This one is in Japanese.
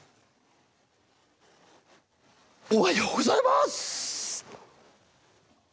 おはようございます。